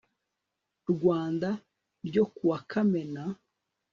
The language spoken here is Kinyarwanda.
rwanda ryo kuwa kamena